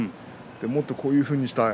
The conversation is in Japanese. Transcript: もっとこういうふうにしたら？